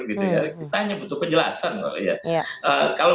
kita hanya butuh penjelasan